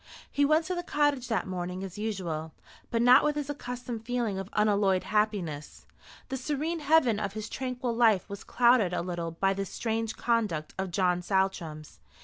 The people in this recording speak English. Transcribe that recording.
He went to the cottage that morning as usual, but not with his accustomed feeling of unalloyed happiness. The serene heaven of his tranquil life was clouded a little by this strange conduct of John Saltram's.